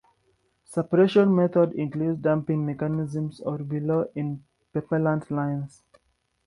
Suppression methods include damping mechanisms or bellows in propellant lines.